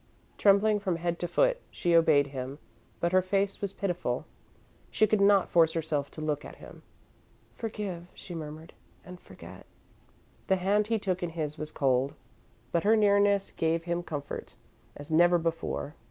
Trembling from head to foot, she obeyed him, but her face was pitiful. She could not force herself to look at him. "Forgive," she murmured, "and forget." The hand he took in his was cold, but her nearness gave him comfort, as never before.